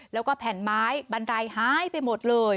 แล้วก็แผ่นไม้บันไดหายไปหมดเลย